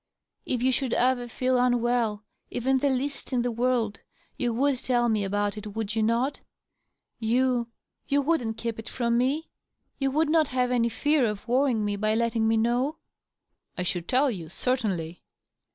" If you should ever feel unwell— even the least in the world — ^you would tell me about it, would you not ? You — ^you wouldn't keep it from me? You would not have any fear of worrying me by letting me know ?" "I should tell you — certainly."